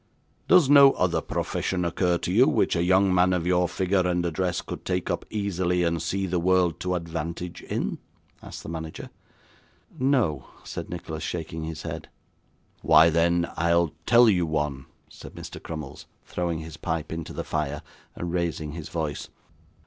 'Does no other profession occur to you, which a young man of your figure and address could take up easily, and see the world to advantage in?' asked the manager. 'No,' said Nicholas, shaking his head. 'Why, then, I'll tell you one,' said Mr. Crummles, throwing his pipe into the fire, and raising his voice.